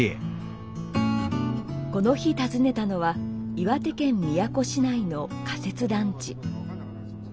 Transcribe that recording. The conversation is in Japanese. この日訪ねたのは岩手県宮古市内の仮設団地。